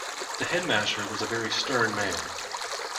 The headmaster was a very stern man